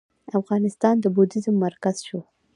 افغانستان د بودیزم مرکز شو